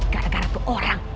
gara gara tuh orang